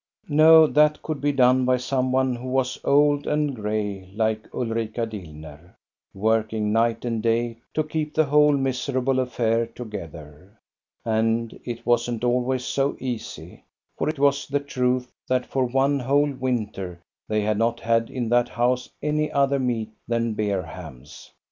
No, that could be done by some one who was old and gray like Ulrika Dillner, working night and day to keep the whole miserable affair together. And it was n't always so easy ; for it was the truth that for one whole winter they had not had in that house any other meat than bear hams.